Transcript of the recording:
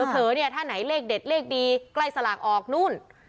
เผลอเนี่ยถ้าไหนเลขเด็ดเลขดีใกล้สลากออกนู่น